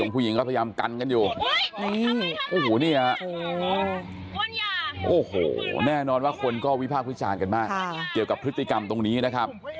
ผู้หญิงก็พยายามกันกันอยู่โอ้โหนี่ฮะโอ้โหแน่นอนว่าคนก็วิพากษ์วิจารณ์กันมากเกี่ยวกับพฤติกรรมตรงนี้นะครับ